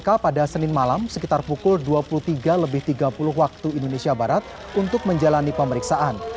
kpk pada senin malam sekitar pukul dua puluh tiga tiga puluh waktu indonesia barat untuk menjalani pemeriksaan